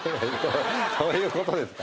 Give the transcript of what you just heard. どういうことですか？